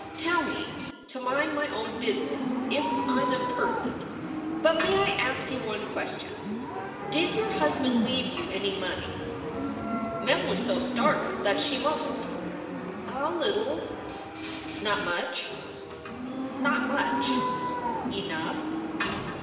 "Tell me to mind my own business if I m impertinent, but may I ask you one question? Did your husband leave you any money?" Mem was so startled that she mumbled: "A little." "Not much?" "Not much." "Enough?"